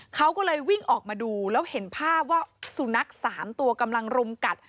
เขาก็เลยวิ่งออกมาดูแล้วเห็นภาพว่าสุนัข๓ตัวกำลังรุมกัด